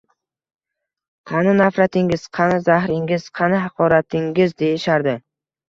qani nafratingiz, qani zahringiz, qani haqoratingiz?” deyishardi.